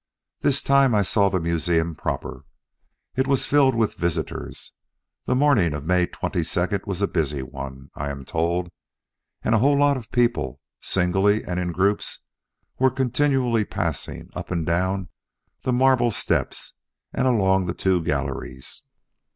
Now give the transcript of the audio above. This time I saw the museum proper. It was filled with visitors. The morning of May twenty second was a busy one, I am told, and a whole lot of people, singly and in groups, were continually passing up and down the marble steps and along the two galleries.